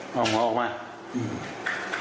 หิ้วหมวนไปด้วยอ่อหมวนมาอือ